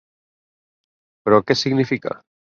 Però què significa?